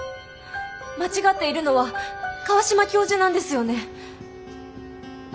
間違っているのは川島教授なんですよね？